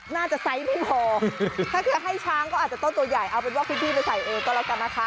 น่าจะใส่ไม่พอถ้าคือให้ช้างก็อาจจะต้องตัวใหญ่เอาเป็นวอกพี่ไปใส่เองก็แล้วกันนะคะ